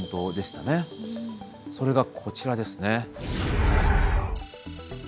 それがこちらですね。